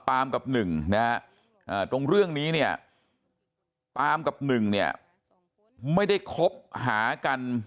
ปามกับนึงตรงเรื่องนี้เนี่ยปามกับนึงเนี่ยไม่ได้คบหากัน